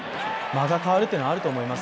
間が変わるというのはあると思います。